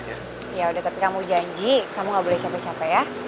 ya udah ketika kamu janji kamu gak boleh capek capek ya